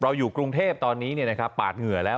อยู่กรุงเทพตอนนี้ปาดเหงื่อแล้ว